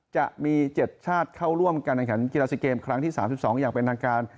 จะมี๗ชาติเข้าร่วมการแข่งขันกีฬาซีเกมครั้งที่๓๒อย่างเป็นทางการ